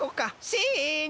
せの！